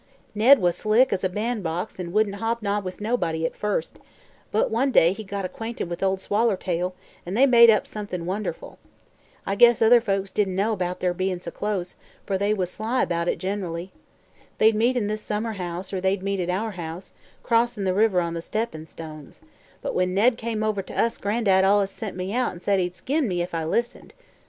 Ned was slick as a ban'box an' wouldn't hobnob with nobody, at first; but one day he got acquainted with Ol' Swallertail an' they made up somethin' wonderful. I guess other folks didn't know 'bout their bein' so close, fer they was sly 'bout it, gen'rally. They'd meet in this summer house, or they'd meet at our house, crossin' the river on the steppin' stones; but when Ned came over to us Gran'dad allus sent me away an' said he'd skin me if I listened.